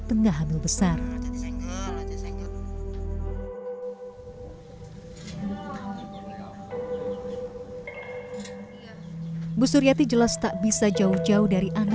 tengah hamil besar